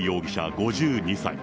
５２歳。